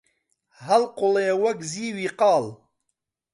هەڵقوڵی وەک زیوی قاڵ